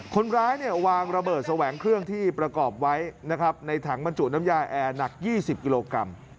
คนร้ายวางระเบิดแสวงเครื่องที่ประกอบไว้นะครับในถังบรรจุน้ำยาแอร์หนัก๒๐กิโลกรัม